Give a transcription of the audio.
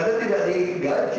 karena tidak digaji